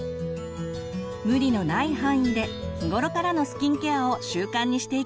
無理のない範囲で日頃からのスキンケアを習慣にしていきましょう。